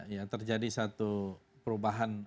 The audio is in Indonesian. ya terjadi satu perubahan